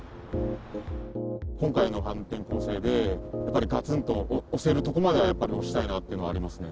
今回の反転攻勢で、やっぱり、がつんと押せるところまではやっぱり押したいなっていうのはありますね。